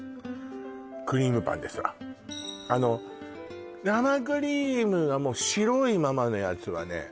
クリームパンですわあの生クリームがもう白いままのやつはね